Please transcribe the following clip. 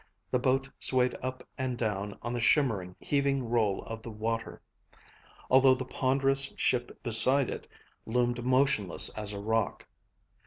The boat swayed up and down on the shimmering, heaving roll of the water, although the ponderous ship beside it loomed motionless as a rock.